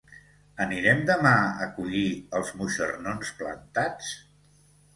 Anirem demà a collir els moixernons plantats?